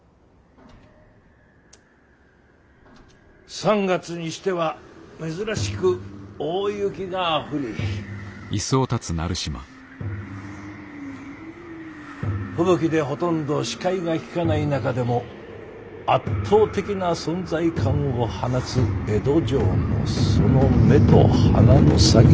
３月にしては珍しく大雪が降り吹雪でほとんど視界が利かない中でも圧倒的な存在感を放つ江戸城のその目と鼻の先。